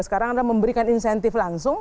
sekarang adalah memberikan insentif langsung